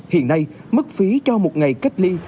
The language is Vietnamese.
hiện nay mức phí cho một ngày cách ly